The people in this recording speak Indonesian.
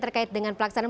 terkait dengan pelaksanaan